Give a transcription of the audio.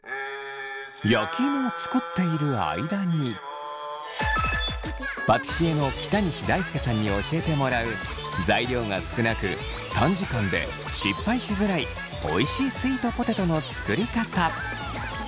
焼き芋を作っている間にパティシエの北西大輔さんに教えてもらう材料が少なく短時間で失敗しづらいおいしいスイートポテトの作りかた。